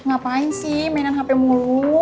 ngapain sih mainan hp mulu